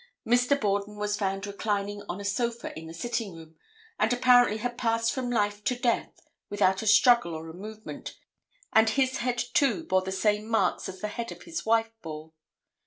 Mr. Borden was found reclining on a sofa in the sitting room and apparently had passed from life to death without a struggle or a movement, and his head, too, bore the same marks as the head of his wife bore.